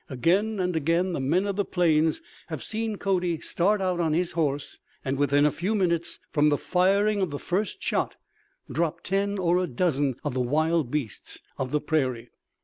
Again and again the men of the plains have seen Cody start out on his horse and within a few minutes from the firing of the first shot drop ten or a dozen of the wild beasts of the prairie.